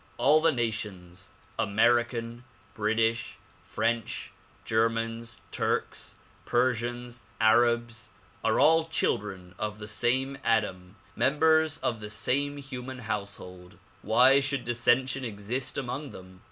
All the nations, — American, British, French, Germans, Turks, Persians, Arabs are children of the same Adam, members of the same human household. Why should dissension exist among them